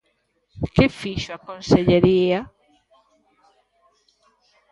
¿Que fixo a Consellería?